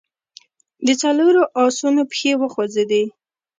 د څلورو آسونو پښې وخوځېدې.